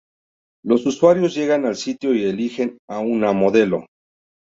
Los usuarios llegan al sitio y eligen a una modelo.